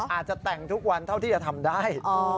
อาจจะแต่งทุกวันเท่าที่จะทำได้